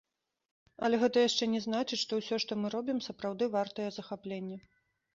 Але гэта яшчэ не значыць, што ўсё, што мы робім, сапраўды вартае захаплення.